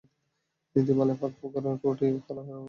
নীতিমালার ফাঁক-ফোকড় ও ত্রুটি বলা হলেও তার কোনো প্রমান পেলাম না।